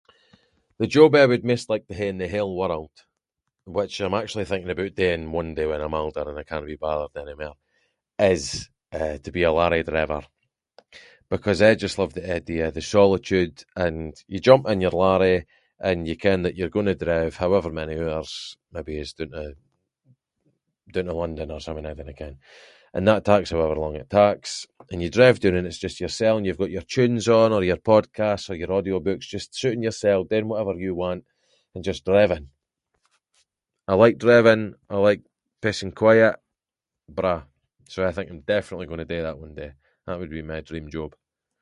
The job I would maist like to hae in the whole world, which I’m actually thinking about doing one day when I’m older and I cannae be bothered anymair, is, eh, to be a lorry driver, because I just love the idea of the solitude and you jump in your lorry and you ken that you’re going to drive however many hours, maybe it’s doon to- doon to London or something, I dinna ken, and that taks however long it taks, and you drive doon and it’s just yourself and you’ve got your tunes on or your podcast or your audiobook, just suiting yourself, doing whatever you want and just driving. I like driving, I like peace and quiet, braw. So I’m thinking definitely going to do that one day, that would be my dream job.